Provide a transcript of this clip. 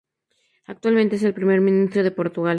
Actualmente es el primer ministro de Portugal.